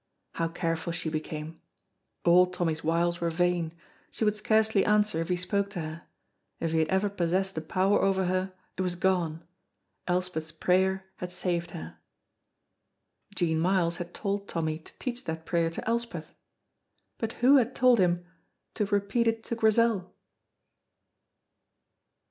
How careful she became! All Tommy's wiles were vain, she would scarcely answer if he spoke to her; if he had ever possessed a power over her it was gone, Elspeth's prayer had saved her. Jean Myles had told Tommy to teach that prayer to Elspeth; but who had told him to repeat it to Grizel?